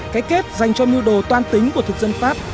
cái kết dành cho mưu đồ toan tính của thực dân pháp